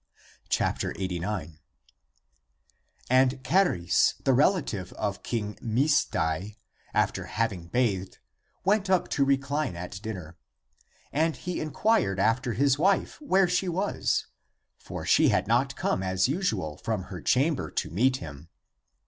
89. And Charis, the relative of King Misdai, after having bathed, went up to recline at dinner. And he incjuired after his wife, where she was. For she had not come as usual from her chamber to meet him.